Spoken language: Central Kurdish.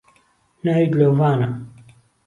ناوی دلۆڤانە